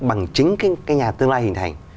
bằng chính cái nhà tương lai hình thành